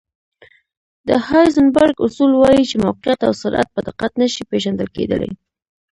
د هایزنبرګ اصول وایي چې موقعیت او سرعت په دقت نه شي پېژندل کېدلی.